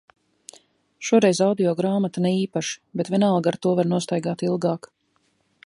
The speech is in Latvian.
Šoreiz audio grāmata ne īpaši. Bet vienalga ar to var nostaigāt ilgāk.